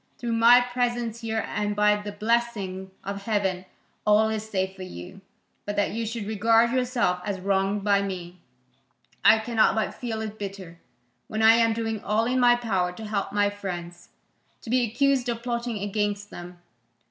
Through my presence here and by the blessing of heaven, all is safe for you: but that you should regard yourself as wronged by me, I cannot but feel it bitter, when I am doing all in my power to help my friends, to be accused of plotting against them.